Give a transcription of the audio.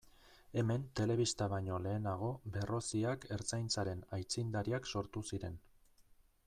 Hemen telebista baino lehenago Berroziak Ertzaintzaren aitzindariak sortu ziren.